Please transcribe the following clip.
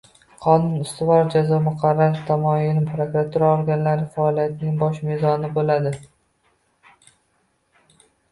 “Qonun – ustuvor, jazo – muqarrar” tamoyili prokuratura organlari faoliyatining bosh mezoni bo‘ladi.